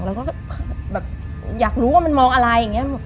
เราก็แบบอยากรู้ว่ามันมองอะไรอย่างนี้